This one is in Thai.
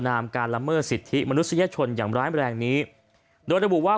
นามการละเมิดสิทธิมนุษยชนอย่างร้ายแรงนี้โดยระบุว่า